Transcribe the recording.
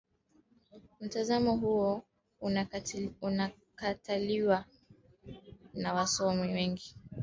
mtazamo huo unakataliwa na wasomi wengi